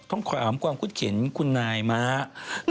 ต้องขออาบมความคุดเข็มคุณนายมาก